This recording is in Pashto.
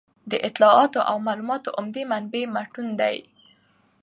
د اطلاعاتو او معلوماتو عمده منبع متون دي.